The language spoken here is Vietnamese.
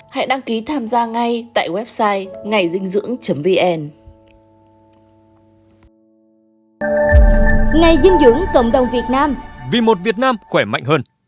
hãy đăng ký tham gia ngay tại website ngaydinhdưỡng vn